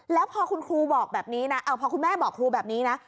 แล้วพอคุณแม่บอกครูแบบนี้นะ